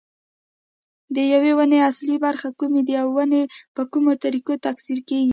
د یوې ونې اصلي برخې کومې دي او ونې په کومو طریقو تکثیر کېږي.